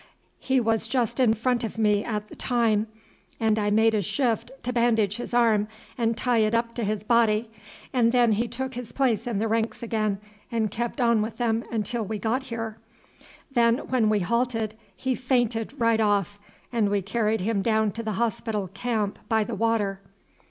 He was just in front of me at the time, and I made a shift to bandage his arm and tied it up to his body, and then he took his place in the ranks again and kept on with them until we got here; then when we halted he fainted right off, and we carried him down to the hospital camp by the water."